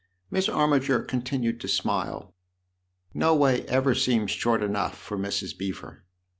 Miss Armiger continued to smile. " No way ever seems short enough for Mrs. Beever